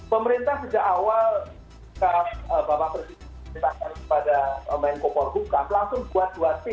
pemerintah sejak awal bapak presiden menetapkan kepada pemain kopor hukum langsung buat dua tim